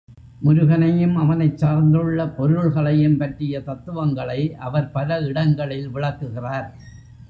முருகனையும் அவனைச் சார்ந்துள்ள பொருள்களையும் பற்றிய தத்துவங்களை அவர் பல இடங்களில் விளக்குகிறார்.